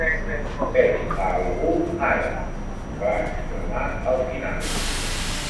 'Veig a algú, ara!' va exclamar al final.